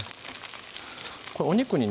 お肉にね